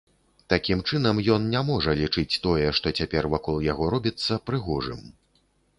Такім чынам, ён не можа лічыць тое, што цяпер вакол яго робіцца, прыгожым.